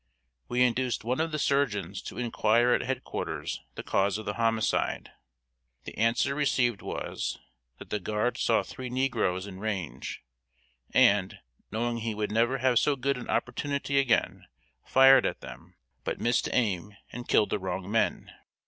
We induced one of the surgeons to inquire at head quarters the cause of the homicide. The answer received was, that the guard saw three negroes in range, and, knowing he would never have so good an opportunity again, fired at them, but missed aim and killed the wrong men!